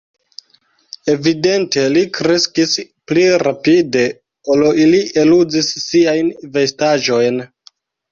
Evidente li kreskis pli rapide, ol li eluzis siajn vestaĵojn.